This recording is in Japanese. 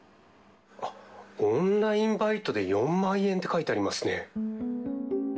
あっ、オンラインバイトで４万円って書いてありますね。